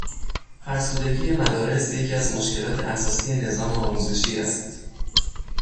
فرسودگی مدارس یکی از مشکلات اساسی نظام آموزشی است